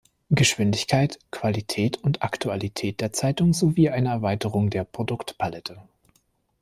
Geschwindigkeit, Qualität und Aktualität der Zeitung, sowie eine Erweiterung der Produktpalette.